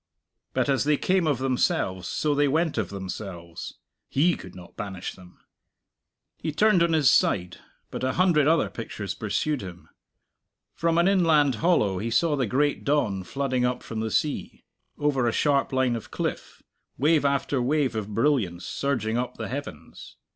But as they came of themselves, so they went of themselves. He could not banish them. He turned on his side, but a hundred other pictures pursued him. From an inland hollow he saw the great dawn flooding up from the sea, over a sharp line of cliff, wave after wave of brilliance surging up the heavens.